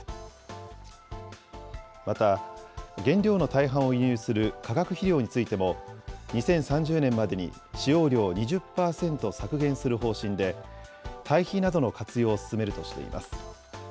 また、原料の大半を輸入する化学肥料についても、２０３０年までに使用量を２０％削減する方針で、堆肥などの活用を進めるとしています。